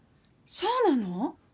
そうなの！？